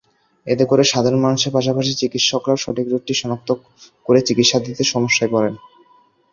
এতে করে সাধারণ মানুষের পাশাপাশি চিকিৎসকরাও সঠিক রোগটি শনাক্ত করে চিকিৎসা দিতে সমস্যায় পড়েন।